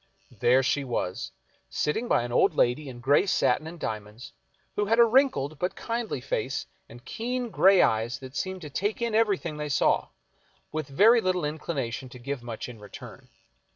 There she was, sitting by an old lady in gray satin and diamonds, who had a wrinkled but kindly face and keen gray eyes that seemed to take in everything they saw, with very little inclination to give much in return.